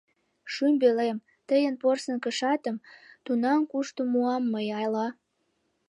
Шӱмбелем, тыйын порсын кышатым Тунам кушто муам мый, ала?